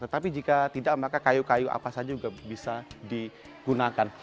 tetapi jika tidak maka kayu kayu apa saja juga bisa digunakan